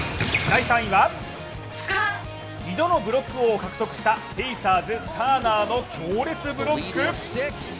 ２度のブロック王を獲得しペイサーズ、ターナーの強烈ブロック。